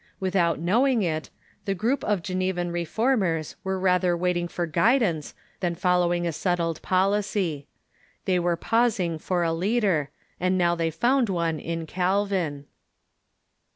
Without knowing it, the group of Genevan Reform ers Avere rather waiting for guidance than following a settled policy. The}^ were pausing for a leader, and now they found one in Calvin.